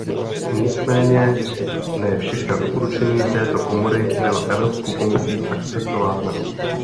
Nicméně ne všechna doporučení této komory byla Evropskou komisí akceptována.